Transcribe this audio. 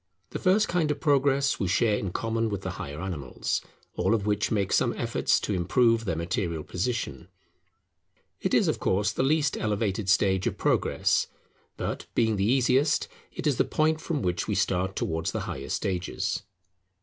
The first kind of Progress we share in common with the higher animals; all of which make some efforts to improve their material position. It is of course the least elevated stage of progress; but being the easiest, it is the point from which we start towards the higher stages.